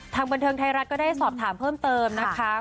บันเทิงไทยรัฐก็ได้สอบถามเพิ่มเติมนะคะ